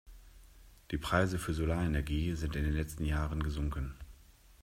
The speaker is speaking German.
Die Preise für Solarenergie sind in den letzten Jahren gesunken.